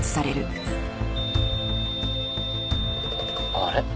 あれ？